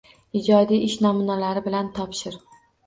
Ijodiy ish namunalari bilan topshir.